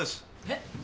えっ？